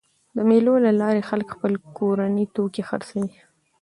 د مېلو له لاري خلک خپل کورني توکي خرڅوي.